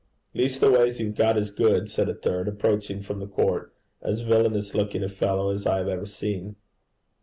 'Leastways you've got as good,' said a third, approaching from the court, as villanous looking a fellow as I have ever seen.